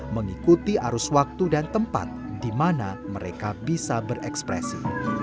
mengikuti arus waktu dan tempat di mana mereka bisa berekspresi